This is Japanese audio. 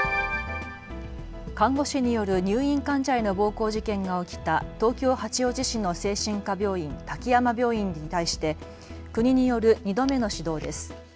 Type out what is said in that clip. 看護師による入院患者への暴行事件が起きた東京八王子市の精神科病院、滝山病院に対して国による２度目の指導です。